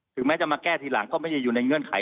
แม้จะมาแก้ทีหลังก็ไม่ได้อยู่ในเงื่อนไข